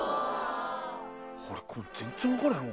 これ全然分からへんわ。